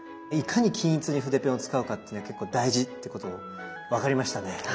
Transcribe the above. いかに均一に筆ペンを使うかっていうのが結構大事っていうこと分かりましたね。